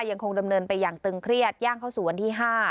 ยังคงดำเนินไปอย่างตึงเครียดย่างเข้าสู่วันที่๕